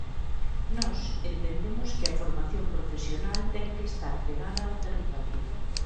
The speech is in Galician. Nós entendemos que a formación profesional ten que estar pegada ao territorio.